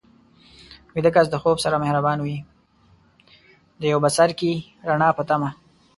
د یو بڅرکي ، رڼا پۀ تمه